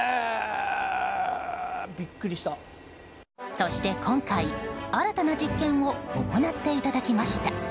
そして今回、新たな実験を行っていただきました。